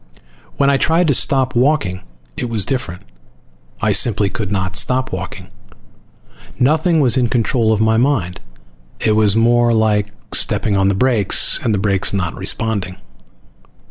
When I tried to stop walking it was different. I simply could not stop walking. Nothing was in control of my mind. It was more like stepping on the brakes and the brakes not responding.